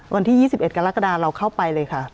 วันที่๒๑กรกฎาเราเข้าไปเลยค่ะ